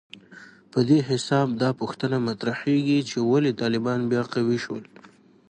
په دې حساب دا پوښتنه مطرحېږي چې ولې طالبان بیا قوي شول